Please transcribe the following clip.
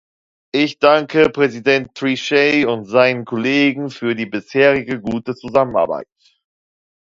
Ich danke Präsident Trichet und seinen Kollegen für die bisherige gute Zusammenarbeit.